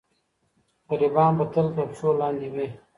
غریبان به تل تر پښو لاندې وي.